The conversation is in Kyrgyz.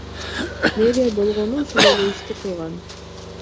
Мэрия болгону ушул эле ишти кылган.